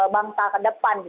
bangsa ke depan